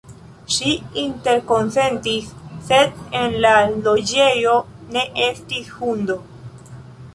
Ŝi interkonsentis, sed en la loĝejo ne estis hundo.